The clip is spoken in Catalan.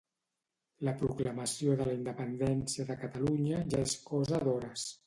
La proclamació de la independència de Catalunya ja és cosa d'hores